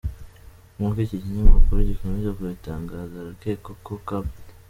Nk’uko iki kinyamakuru gikomeza kibitangaza, harakekwa ko Capt.